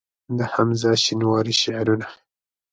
د حمزه شینواري شعرونه